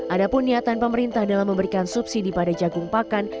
ada pun niatan pemerintah dalam memberikan subsidi pada jagung pakan